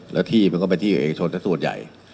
แล้วที่มันก็เป็นที่เอกชนสักส่วนใหญ่